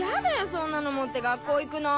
そんなの持って学校行くの。